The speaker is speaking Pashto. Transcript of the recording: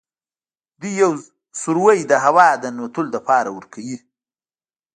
دوی یو سوری د هوا د ننوتلو لپاره ورکوي.